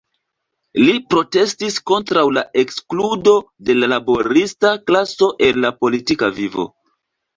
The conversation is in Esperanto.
Li protestis kontraŭ la ekskludo de la laborista klaso el la politika vivo.